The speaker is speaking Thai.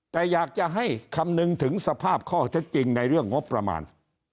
แต่อยากจะให้คำนึงถึงสภาพข้อเท็จจริงในเรื่องงบประมาณ